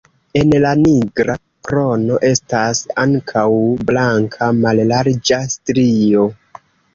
En la nigra krono estas ankaŭ blanka mallarĝa strio.